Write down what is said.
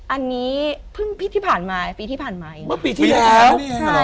อันนี้พี่ที่ผ่านมาปีที่ผ่านมาอีกแล้ว